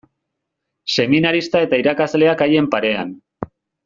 Seminarista eta irakasleak haien parean.